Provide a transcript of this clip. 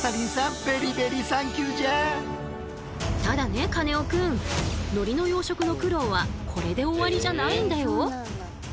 ただねカネオくん海苔の養殖の苦労はこれで終わりじゃないんだよ。